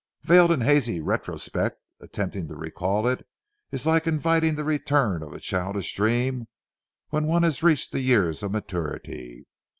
Veiled in hazy retrospect, attempting to recall it is like inviting the return of childish dreams when one has reached the years of maturity.